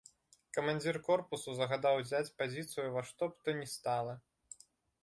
Камандзір корпусу загадаў узяць пазіцыю ўва што б тое ні стала.